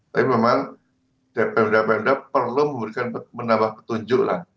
tapi memang pemda pemda perlu memberikan menambah petunjuk lah